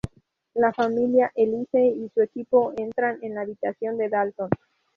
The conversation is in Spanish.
La familia, Elise, y su equipo entran en la habitación de Dalton.